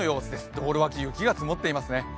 道路脇、雪が積もってますね。